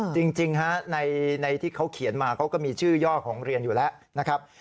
จริงฮะในที่เขาเขียนมาเขาก็มีชื่อย่อของเรียนอยู่แล้วนะครับ